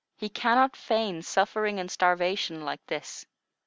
He cannot feign suffering and starvation like this.